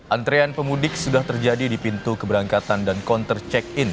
antrean pemudik sudah terjadi di pintu keberangkatan dan counter check in